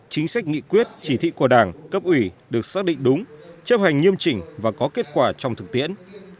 chính sách nghị quyết chỉ thị của đảng cấp ủy được xác định đúng chấp hành nghiêm chỉnh và có kết quả trong thực tiễn